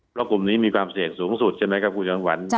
เพราะกลุ่มนี้มีความเสี่ยงสูงสุดใช่ไหมครับคุณจำขวัญ